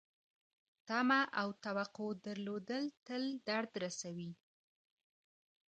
تمه او توقع درلودل تل درد رسوي .